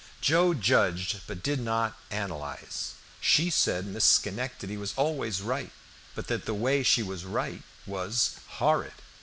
Joe judged but did not analyze. She said Miss Schenectady was always right, but that the way she was right was "horrid."